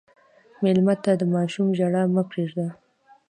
مېلمه ته د ماشوم ژړا مه پرېږده.